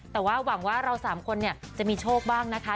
แต่ว่าหวังว่าเรา๓คนจะมีโชคบ้างนะคะ